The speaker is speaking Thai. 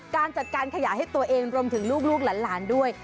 การจัดการขยะให้ตัวเองรวมถึงลูกหลานด้วย